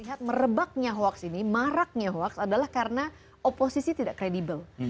melihat merebaknya hoax ini maraknya hoaks adalah karena oposisi tidak kredibel